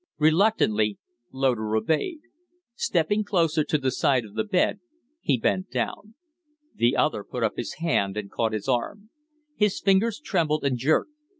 Reluctantly Loder obeyed. Stepping closer to the side of the bed, he bent down. The other put up his hand and caught his arm. His fingers trembled and jerked.